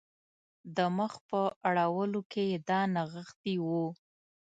د مخ په اړولو کې یې دا نغښتي وو.